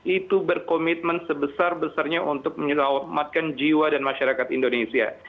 itu berkomitmen sebesar besarnya untuk menyelamatkan jiwa dan masyarakat indonesia